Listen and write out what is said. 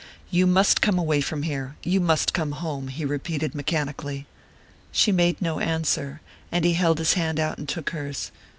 "You must come away from here you must come home," he repeated mechanically. She made no answer, and he held his hand out and took hers.